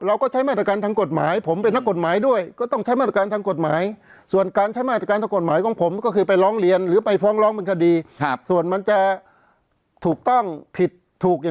เราก็ใช้มาตรการทั้งกฎหมายผมเป็นนักกฎหมายด้วย